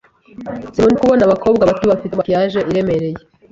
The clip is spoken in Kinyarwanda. Sinkunda kubona abakobwa bato bafite maquillage iremereye.